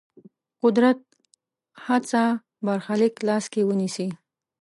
قدرت هڅه برخلیک لاس کې ونیسي.